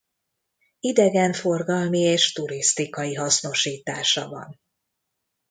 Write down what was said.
Idegenforgalmi és turisztikai hasznosítása van.